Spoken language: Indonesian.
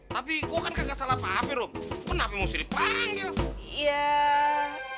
tapi gue kan gak salah paham rom gue nanti mau sendiri panggil